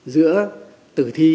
giữa tử thi